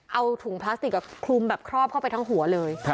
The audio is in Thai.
เอาถุงพลาสติกคลุมแบบครอบเข้าไปทั้งหัวเลย